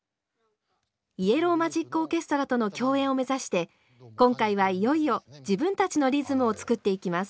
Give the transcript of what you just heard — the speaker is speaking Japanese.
イエロー・マジック・オーケストラとの共演を目指して今回はいよいよ自分たちのリズムを作っていきます。